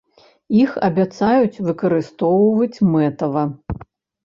Іх абяцаюць выкарыстоўваць мэтава.